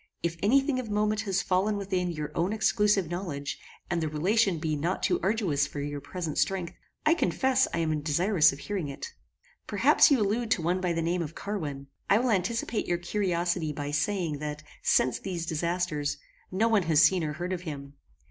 If any thing of moment has fallen within your own exclusive knowledge, and the relation be not too arduous for your present strength, I confess I am desirous of hearing it. Perhaps you allude to one by the name of Carwin. I will anticipate your curiosity by saying, that since these disasters, no one has seen or heard of him.